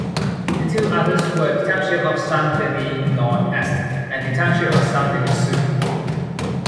The two others were the township of Saint-Denis-Nord-Est and the township of Saint-Denis-Sud.